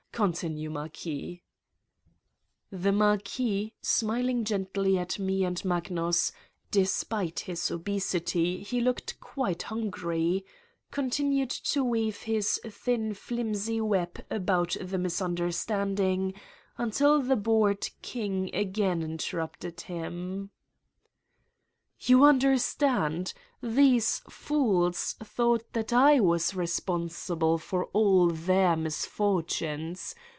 Continue, Marquis." The Marquis, smiling gently at me and Magnus (despite his obesity he looked quite hungry) con tinued to weave his thin flimsy web about the mis understanding, until the bored king again inter rupted him: "You understand: these fools thought that I was responsible for all their misfortunes.